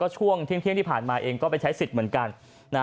ช่วงเที่ยงที่ผ่านมาเองก็ไปใช้สิทธิ์เหมือนกัน